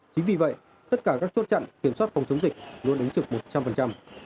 chính vì vậy tất cả các chốt trận kiểm soát phòng chống dịch luôn đánh trực một trăm linh